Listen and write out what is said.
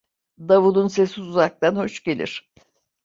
Davulun sesi uzaktan hoş gelir.